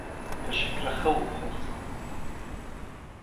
لە شەکرەخەوت هەڵساند.